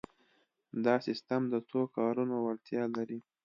دا سیسټم د څو کارونو وړتیا لري.